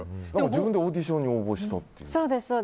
自分でオーディションに応募したという？